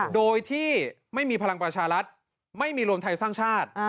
โดยที่ไม่มีพลังประชารัฐไม่มีรวมไทยสร้างชาติ